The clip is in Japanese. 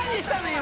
今。